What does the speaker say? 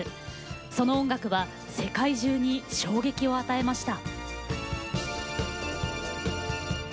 その音楽は世界中に衝撃を与えました。